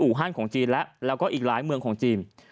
อู่ฮั่นของจีนและอีกหลายเมืองของจีน